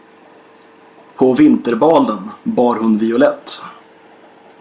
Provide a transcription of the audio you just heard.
På vinterbalen bar hon violett.